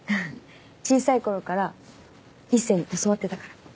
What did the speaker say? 小さい頃から一星に教わってたから。